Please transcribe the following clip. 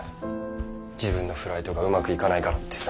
自分のフライトがうまくいかないからってさ。